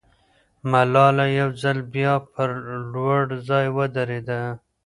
ملاله یو ځل بیا پر لوړ ځای ودرېده.